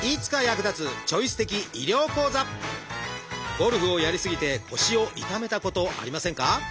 ゴルフをやり過ぎて腰を痛めたことありませんか？